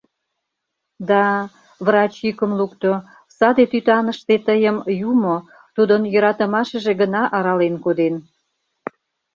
— Да, — врач йӱкым лукто, — саде тӱтаныште тыйым Юмо, Тудын йӧратымашыже гына арален коден.